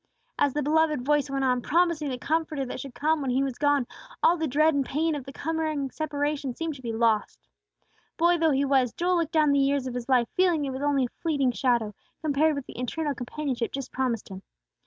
As the beloved voice went on, promising the Comforter that should come when He was gone, all the dread and pain of the coming separation seemed to be lost. Boy though he was, Joel looked down the years of his life feeling it was only a fleeting shadow, compared with the eternal companionship just promised him.